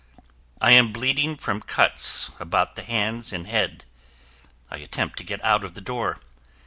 I am bleeding from cuts about the hands and head. I attempt to get out of the door.